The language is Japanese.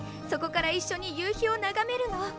そこから一緒に夕日を眺めるの。